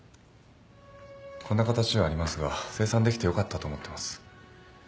こんな形ではありますが清算できてよかったと思ってます。